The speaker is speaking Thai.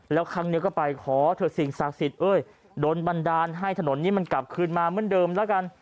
แล้วครั้งนี้ก็ไปขอเถอะสิ่งศักดิ์สิทธิ์โดนบันดาลให้ถนนนี้มันกลับคืนมาเหมือนเดิมแล้วกัน